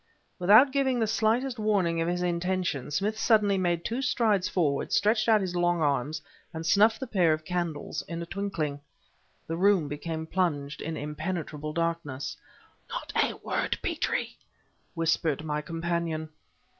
Without giving the slightest warning of his intention, Smith suddenly made two strides forward, stretched out his long arms, and snuffed the pair of candles in a twinkling. The room became plunged in impenetrable darkness. "Not a word, Petrie!" whispered my companion.